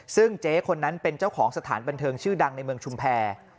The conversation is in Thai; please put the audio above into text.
ซึ่งเจ๊คนนั้นเป็นเจ้าของสถานบันเทิงชื่อดังในเมืองชุมแพร